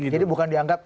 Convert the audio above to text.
jadi bukan dianggap